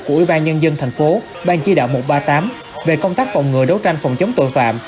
của ủy ban nhân dân thành phố ban chỉ đạo một trăm ba mươi tám về công tác phòng ngừa đấu tranh phòng chống tội phạm